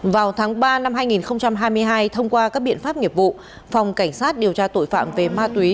vào tháng ba năm hai nghìn hai mươi hai thông qua các biện pháp nghiệp vụ phòng cảnh sát điều tra tội phạm về ma túy